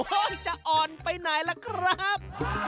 โอ้โฮจะอ่อนไปไหนล่ะครับ